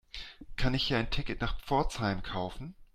Kann ich hier ein Ticket nach Pforzheim kaufen?